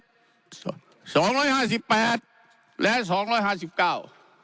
สองร้อยห้าสิบแปดและสองร้อยห้าสิบเก้า